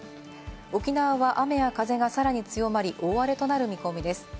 沖縄は雨や風がさらに強まり大荒れとなる見込みです。